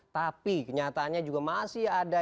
tapi kenyataannya juga masih ada